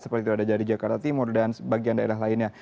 seperti itu ada dari jakarta timur dan sebagian daerah lainnya